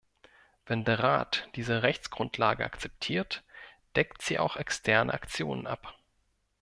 Wenn der Rat diese Rechtsgrundlage akzeptiert, deckt sie auch externe Aktionen ab.